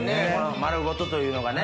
丸ごとというのがね。